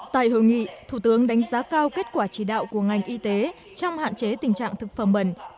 tại hội nghị thủ tướng đánh giá cao kết quả chỉ đạo của ngành y tế trong hạn chế tình trạng thực phẩm bẩn